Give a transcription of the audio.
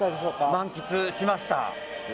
満喫しました。